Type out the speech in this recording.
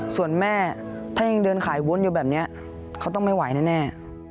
ส่วนแม่ถ้ายังเดินขายวุ้นอยู่แบบนี้เขาต้องไม่ไหวแน่